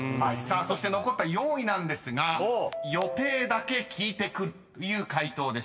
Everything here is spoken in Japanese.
そして残った４位なんですが予定だけ聞いてくるという回答でした］